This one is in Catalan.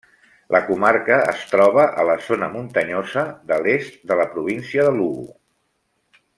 La comarca es troba a la zona muntanyosa de l'est de la província de Lugo.